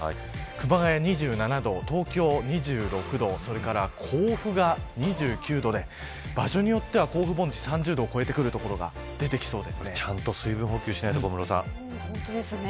熊谷２７度、東京２６度それから甲府が２９度で場所によっては甲府盆地３０度を超えてくる所がちゃんと水分補給しないと本当ですね。